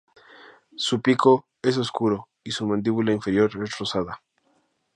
Su pico es oscuro y su mandíbula inferior es rosada.